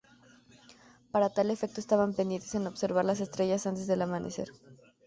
Para tal efecto estaban pendientes en observar las estrellas antes del amanecer.